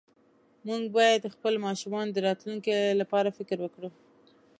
مونږ باید د خپلو ماشومانو د راتلونکي لپاره فکر وکړو